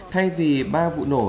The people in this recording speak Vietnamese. thay vì ba vụ nổ